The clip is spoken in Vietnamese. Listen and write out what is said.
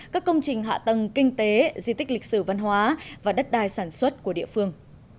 các công trình hạ tầng kinh tế di tích lịch sử văn hóa và đất đai sản xuất của địa phương